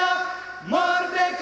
bangsa dan tanah airku